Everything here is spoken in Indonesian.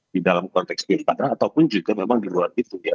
di dalam konteks pilkada ataupun juga memang di luar itu ya